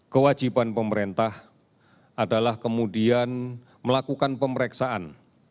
kewajiban pemerintah adalah kemudian melakukan pemeriksaan